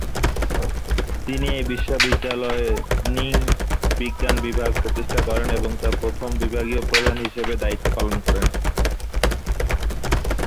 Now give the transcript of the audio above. তিনি এই বিশ্ববিদ্যালয়ে নৃ-বিজ্ঞান বিভাগ প্রতিষ্ঠা করেন এবং তার প্রথম বিভাগীয় প্রধান হিসেবে দায়িত্ব পালন করেন।